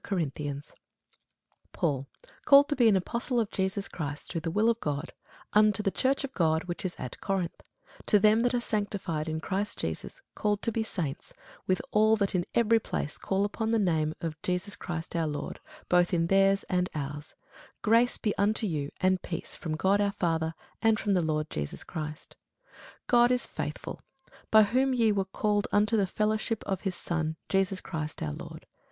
Corinthians 1] PAUL, called to be an apostle of Jesus Christ through the will of God, unto the church of God which is at Corinth, to them that are sanctified in Christ Jesus, called to be saints, with all that in every place call upon the name of Jesus Christ our Lord, both their's and our's: grace be unto you, and peace, from God our Father, and from the Lord Jesus Christ. God is faithful, by whom ye were called unto the fellowship of his Son Jesus Christ our Lord.